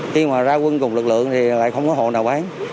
khi mà ra quân cùng lực lượng thì lại không có hộ nào bán